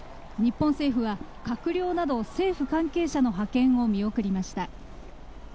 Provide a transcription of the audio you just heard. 日本政府は閣僚など政府関係者の派遣を見送りました。